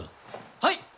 はい！